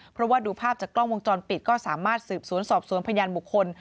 เพราะว่าดูภาพจากกล้องวงจรปิดก็สามารถสืบสวนสอบสวนพยานบุคคล